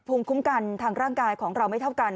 ภูมิคุ้มกันทางร่างกายของเราไม่เท่ากัน